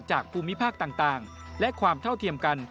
จากผู้มิพากต่างและความเท่าเทียมกัน